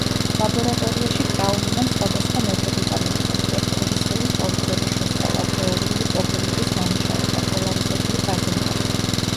ლაბორატორიაში კრაულინამ სხვადასხვა მეთოდიკა მიიღო: სპექტრული სხივის კონტურების შესწავლა, თეორიული პრობლემების დამუშავება, პოლარიზებული გაზომვები.